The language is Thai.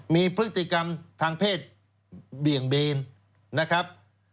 มีพฤติกรรมทางเพศเบี่ยงเบนนะครับ